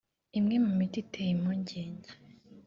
Imwe mu miti iteye impungenge